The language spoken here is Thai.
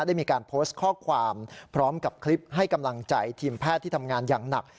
ได้มีการโพสต์ข้อความพร้อมกับคลิปให้กำลังใจทีมแพทย์ที่ทำงานอย่างหนัก